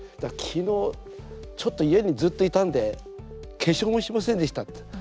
きのう、ちょっと家にずっといたんで化粧もしませんでしたって。